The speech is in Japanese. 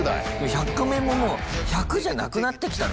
「１００カメ」ももう１００じゃなくなってきたね